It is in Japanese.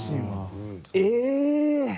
え！